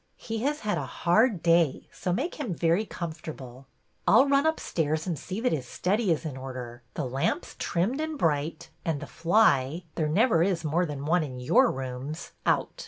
He has had a hard day, so make him very comfortable." " I 'll run upstairs and see that his study is in order, the lamps trimmed and bright, and the fly — there never is more than one in your rooms — out.